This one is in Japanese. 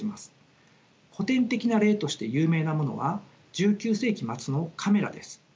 古典的な例として有名なものは１９世紀末のカメラです。